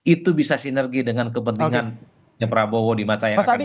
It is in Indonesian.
itu bisa sinergi dengan kepentingannya prabowo di masa yang akan datang